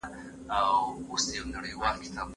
ميرويس خان نيکه په کومه قبیله پورې اړه لرله؟